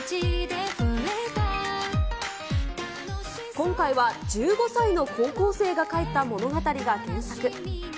今回は１５歳の高校生が書いた物語が原作。